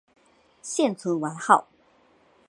现存完好。